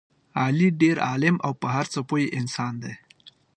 علي ډېر عالم او په هر څه پوه انسان دی.